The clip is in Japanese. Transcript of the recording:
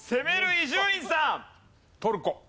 伊集院さん。